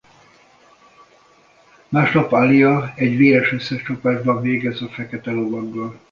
Másnap Alia egy véres összecsapásban végez a fekete lovaggal.